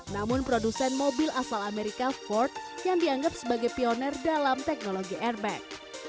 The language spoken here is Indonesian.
namun produsen mobil asal amerika ford yang dianggap sebagai pioner dalam teknologi airbag